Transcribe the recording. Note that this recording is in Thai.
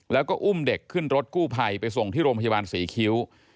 แล้วก็อุ้มเด็กขึ้นรถกู้ภัยไปส่งที่โรงพยาบาลศรีคิ้ว